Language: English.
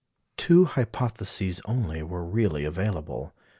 Two hypotheses only were really available.